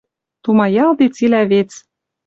Тумаялде цилӓ вец